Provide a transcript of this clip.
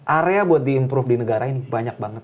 area buat di improve di negara ini banyak banget